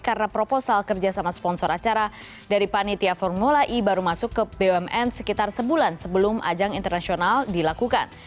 karena proposal kerjasama sponsor acara dari panitia formula e baru masuk ke bumn sekitar sebulan sebelum ajang internasional dilakukan